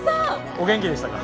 お元気でしたか？